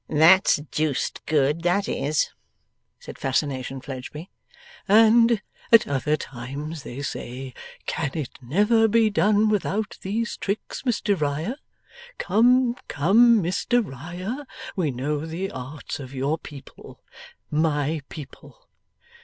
'That's deuced good, that is!' said Fascination Fledgeby. 'And at other times they say, "Can it never be done without these tricks, Mr Riah? Come, come, Mr Riah, we know the arts of your people" my people!